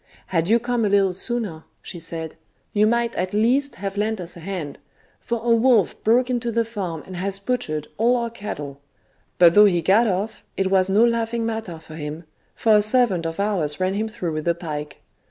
* Had you come a little sooner/ she said, 'you might at least have lent us a hand ; for a wolf broke into the farm and has butchered all our cattle ; but though he got oflf, it was no laughing matter for him, for a servant of ours ran him through with a pike.